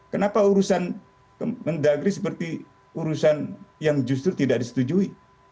kenapa urusan kemendagri seperti urusan yang justru tidak disetujui